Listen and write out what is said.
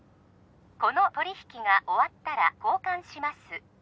この取り引きが終わったら交換します